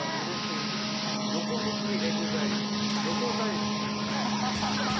◆横向きＥＸＩＬＥ、ヨコザイルみたいですね。